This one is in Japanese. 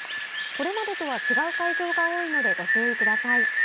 これまでとは違う会場が多いのでご注意ください。